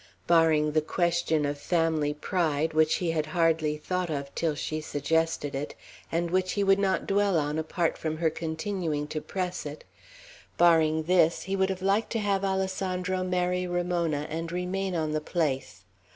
Barring the question of family pride, which he had hardly thought of till she suggested it, and which he would not dwell on apart from her continuing to press it, barring this, he would have liked to have Alessandro marry Ramona and remain on the place.